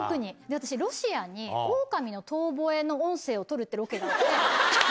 私、ロシアにオオカミの遠吠えの音声をとるってロケがあって。